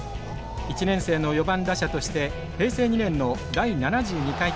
１年生の４番打者として平成２年の第７２回大会に出場。